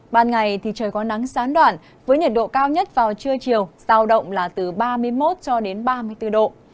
ban ngày thì trời có nắng sán đoạn với nhiệt độ cao nhất vào trưa chiều giao động là từ ba mươi một cho đến ba mươi bốn độ